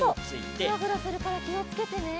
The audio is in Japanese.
ぐらぐらするからきをつけてね。